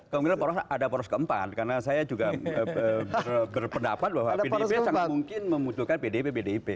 kemungkinan ada poros keempat karena saya juga berpendapat bahwa pdip sangat mungkin membutuhkan pdip pdip